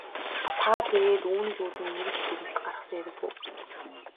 Та тэгээд үүнээс үүдэн ингэж дүгнэлт гаргасан хэрэг үү?